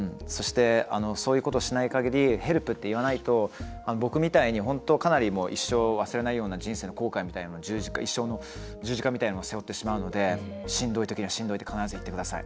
そういうことをしないかぎりヘルプって言わないと僕みたいに本当かなり一生、忘れられないような人生の後悔みたいな一生の十字架みたいなのを背負ってしまうのでしんどいときは、しんどいって必ず言ってください。